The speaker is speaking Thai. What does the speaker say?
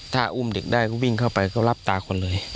ถ้าอุ้มเด็กได้ก็วิ่งเข้าไปเขารับตาคนเลย